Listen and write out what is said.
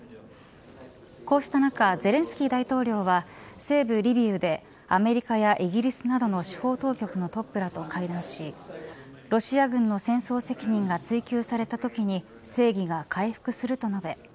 こうした中ゼレンスキー大統領は西部リビウでアメリカやイギリスなどの司法当局のトップらと会談しロシア軍の戦争責任が追及されたときに正義が回復すると述べ